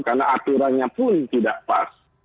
karena aturannya pun tidak pas